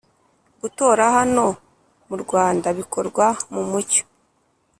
gutora hano murwanda bikorwa mumucyo